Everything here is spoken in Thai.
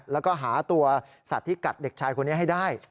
แล้วก็หาตัวสัตว์ที่กัดเด็กชายคนนี้ให้ได้